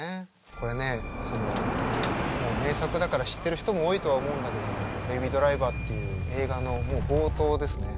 これねもう名作だから知ってる人も多いとは思うんだけども「ベイビー・ドライバー」っていう映画のもう冒頭ですね。